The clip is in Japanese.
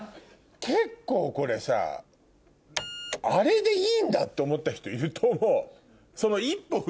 結構これさあれでいいんだって思った人いると思う。